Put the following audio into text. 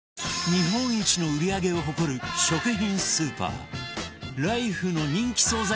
日本一の売り上げを誇る食品スーパーライフの人気惣菜